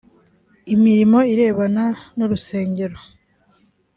imirimo irebana n urusengero